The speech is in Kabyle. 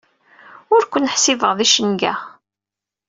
Ur ken-ḥessbeɣ d icenga.